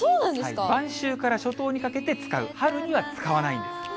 晩秋から初冬にかけて使う、春には使わないんです。